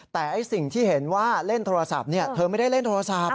แต่สิ่งที่เห็นว่าเล่นโทรศัพท์เธอไม่ได้เล่นโทรศัพท์